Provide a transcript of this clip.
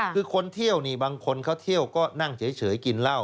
คือคนเที่ยวนี่บางคนเขาเที่ยวก็นั่งเฉยกินเหล้า